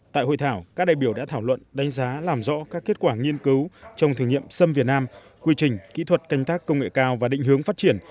tại hội thảo các đại biểu đã thảo luận đánh giá làm rõ các kết quả nghiên cứu trong thử nghiệm xâm việt nam quy trình kỹ thuật canh tác công nghệ cao và định hướng phát triển